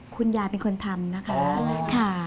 คุณยายเป็นคนทำนะคะค่ะ